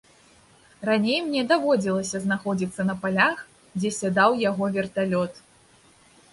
Раней мне даводзілася знаходзіцца на палях, дзе сядаў яго верталёт.